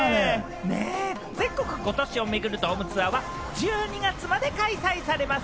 全国５都市を巡るドームツアーは１２月まで開催されます。